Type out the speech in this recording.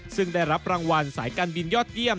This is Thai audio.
ซึ่งได้รับรางวัลสายการบินยอดเยี่ยม